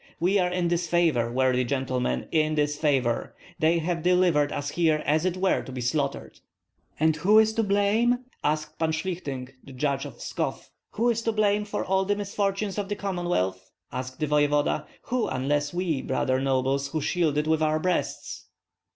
We are in disfavor, worthy gentlemen, in disfavor! They have delivered us here as it were to be slaughtered." "And who is to blame?" asked Pan Shlihtyng, the judge of Vskov. "Who is to blame for all the misfortunes of the Commonwealth," asked the voevoda, "who, unless we brother nobles who shield it with our breasts?"